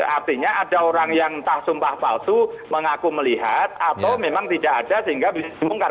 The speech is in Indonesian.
artinya ada orang yang entah sumpah palsu mengaku melihat atau memang tidak ada sehingga bisa dibongkar